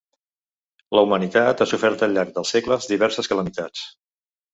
La humanitat ha sofert al llarg dels segles diverses calamitats.